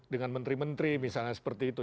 dengan menteri menteri misalnya seperti itu